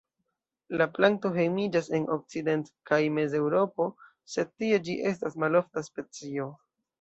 La planto hejmiĝas en Okcident- kaj Mezeŭropo, sed tie ĝi estas malofta specio.